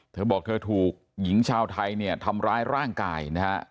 เธอบอกเธอถูกหญิงชาวไทยเนี่ยทำร้ายร่างกายนะฮะ